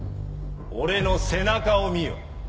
俺の背中を見よ。